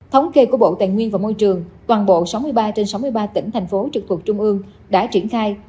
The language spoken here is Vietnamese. thống kê của bộ tài nguyên và môi trường toàn bộ sáu mươi ba trên sáu mươi ba tỉnh thành phố trực thuộc trung ương đã triển khai